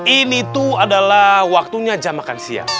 ini tuh adalah waktunya jam makan siang